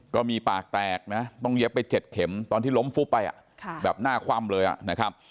ก็มีปากแตกนะต้องเย็บไป๗เข็มตอนที่ล้มฟุบไปแบบหน้าคว่ำเลยนะครับ